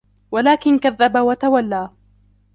وَلَكِن كَذَّبَ وَتَوَلَّى